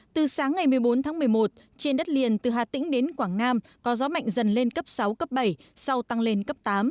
từ sáng ngày một mươi bốn tháng một mươi một trên đất liền từ hà tĩnh đến quảng nam có gió mạnh dần lên cấp sáu cấp bảy sau tăng lên cấp tám